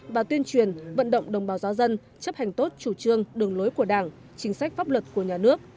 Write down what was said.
và tuyên truyền vận động đồng bào giáo dân chấp hành tốt chủ trương đường lối của đảng chính sách pháp luật của nhà nước